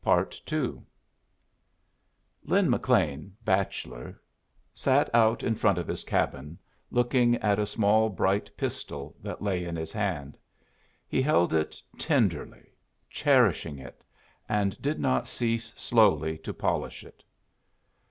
PART II Lin McLean, bachelor, sat out in front of his cabin, looking at a small bright pistol that lay in his hand. He held it tenderly, cherishing it, and did not cease slowly to polish it.